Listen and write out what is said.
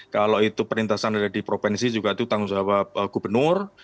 kalau itu perintasan ada di provinsi juga itu tanggung jawab gubernur